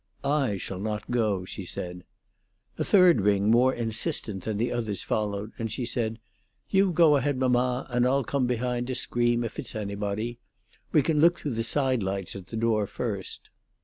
"I shall not go," she said. A third ring more insistent than the others followed, and she said: "You go ahead, mamma, and I'll come behind to scream if it's anybody. We can look through the side lights at the door first."